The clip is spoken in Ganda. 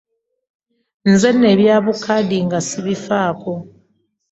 Nze nno ebya bu kkaadi nga sibifaako.